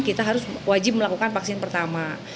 kita harus wajib melakukan vaksin pertama